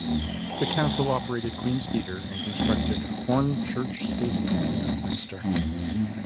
The council operated Queen's Theatre and constructed Hornchurch Stadium in Upminster.